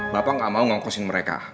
bapak gamau ngongkosin mereka